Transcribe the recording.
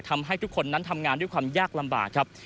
ทำให้ทุกคนนั้นทำงานด้วยความยากลำบากครับ